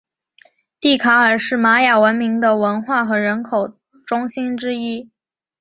蒂卡尔是玛雅文明的文化和人口中心之一。